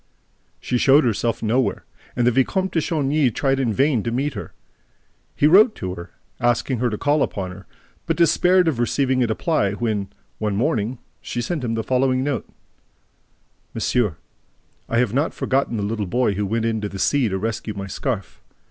She showed herself nowhere; and the Vicomte de Chagny tried in vain to meet her. He wrote to her, asking to call upon her, but despaired of receiving a reply when, one morning, she sent him the following note: MONSIEUR: I have not forgotten the little boy who went into the sea to rescue my scarf.